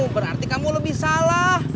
berarti kamu lebih salah